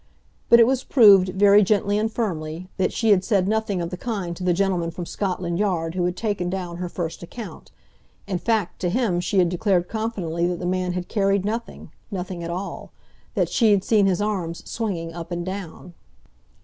But it was proved, very gently and firmly, that she had said nothing of the kind to the gentleman from Scotland Yard who had taken down her first account—in fact, to him she had declared confidently that the man had carried nothing—nothing at all; that she had seen his arms swinging up and down.